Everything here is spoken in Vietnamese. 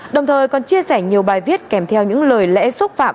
đồng thời còn chia sẻ nhiều bài viết kèm theo những lời lẽ xúc phạm